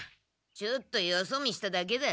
ちょっとよそ見しただけだろ。